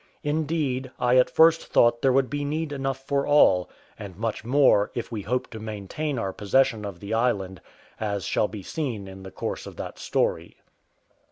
Indeed, I at first thought there would be need enough for all, and much more, if we hoped to maintain our possession of the island, as shall be seen in the course of that story.